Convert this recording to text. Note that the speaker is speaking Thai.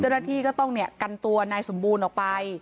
เจ้าหน้าที่ก็ต้องกันตัวนายสมบูรณ์ออกไป